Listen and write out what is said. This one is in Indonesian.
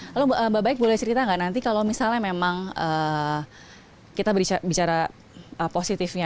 lalu mbak baik boleh cerita nggak nanti kalau misalnya memang kita bicara positifnya